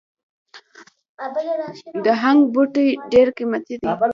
د هنګ بوټی ډیر قیمتي دی